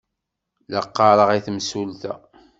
La ɣɣareɣ i temsulta.